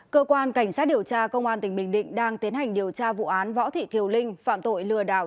cơ quan cảnh sát điều tra công an tỉnh bình định đang tiến hành điều tra vụ án võ thị thiều linh phạm tội lừa đảo